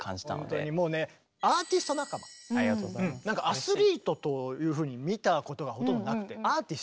アスリートというふうに見たことがほとんどなくてアーティスト。